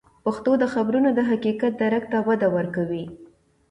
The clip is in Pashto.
پښتو د خبرونو د حقیقت درک ته وده ورکوي.